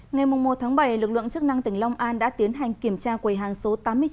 ngày một bảy lực lượng chức năng tỉnh long an đã tiến hành kiểm tra quầy hàng số tám mươi chín